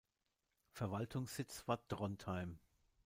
Verwaltungssitz war Trondheim.